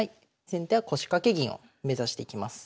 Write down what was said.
先手は腰掛け銀を目指していきます。